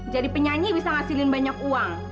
jadi penyanyi bisa ngasihin banyak uang